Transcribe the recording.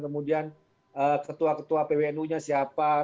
kemudian ketua ketua pwnu nya siapa